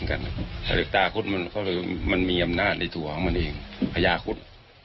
ศัลย์ตาคุศมันมีอำนาจในตัวของมันเองพญาคุศ